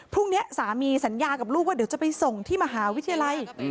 พรุ่งนี้สามีสัญญากับลูกว่าเดี๋ยวจะไปส่งที่มหาวิทยาลัย